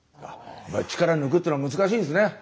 やっぱり力抜くっていうのは難しいんですね。